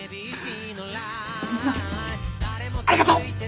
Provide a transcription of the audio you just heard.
みんなありがとう！